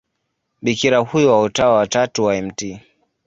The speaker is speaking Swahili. Bikira huyo wa Utawa wa Tatu wa Mt.